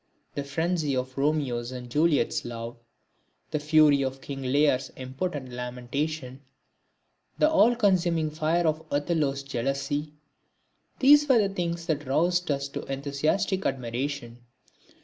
The frenzy of Romeo's and Juliet's love, the fury of King Lear's impotent lamentation, the all consuming fire of Othello's jealousy, these were the things that roused us to enthusiastic admiration.